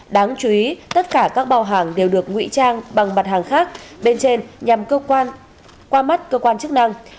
đáng chú ý tất cả các bao hàng đều được ngụy trang bằng mặt hàng khác bên trên nhằm cơ quan qua mắt cơ quan chức năng